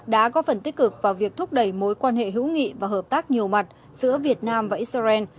đã có phần tích cực vào việc thúc đẩy mối quan hệ hữu nghị và hợp tác nhiều mặt giữa việt nam và israel